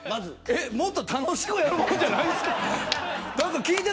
もっと楽しくやるもんじゃないんですか。